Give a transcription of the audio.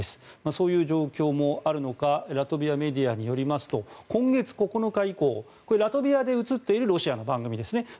そういう状況もあるのかラトビアメディアによりますと今月９日以降ラトビアで映っているロシアの番組です